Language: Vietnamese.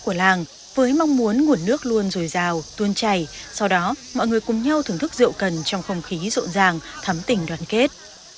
cầu mưa là lễ kết thúc của làng với mong muốn nguồn nước luôn dồi dào tuôn chảy sau đó mọi người cùng nhau thưởng thức rượu cần trong không khí rộn ràng thấm tình đoàn kết